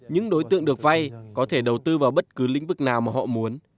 những đối tượng được vay có thể đầu tư vào bất cứ lĩnh vực nào mà họ muốn